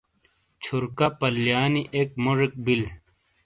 چھورکا پلیانی اک موجیک بل۔